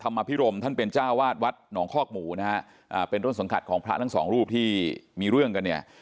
ทัศน์ธรรมภิรมท่านเป็นเจ้าวาดวัดหนองคอกหมู่นะฮะเป็นร่วงสงขัดของพระทั้งสองรูปที่มีเรื่องกันเนี่ย